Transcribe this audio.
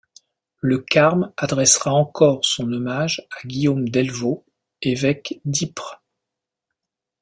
Le carme adressera encore son hommage à Guillaume Delvaux, évêque d'Ypres.